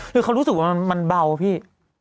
คือเขารู้สึกว่ามันเบาพี่